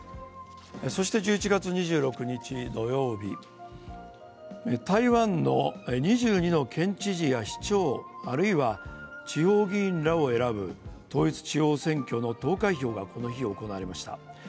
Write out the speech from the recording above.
１１月２６日土曜日、台湾の２２の県知事や市長、あるいは地方議員らを選ぶ統一地方選挙の投開票がこの日、行われました。